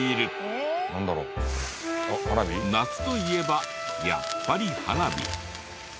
なんだろう？夏といえばやっぱり花火。